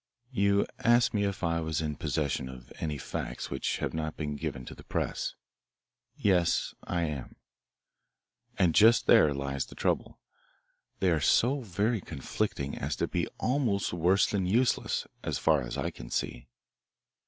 "You asked me if I was in possession of any facts which have not been given to the press. Yes, I am. And just there lies the trouble. They are so very conflicting as to be almost worse than useless, as far as I can see.